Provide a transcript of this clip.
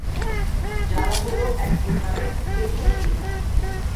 যারা হল এক প্রকারের স্পেশাল পুলিশ।